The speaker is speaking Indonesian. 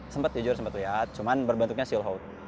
sempat jujur sempat lihat cuma berbentuknya kata kata itu